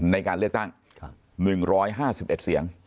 ในการเลือกตั้ง๑๕๑เสียง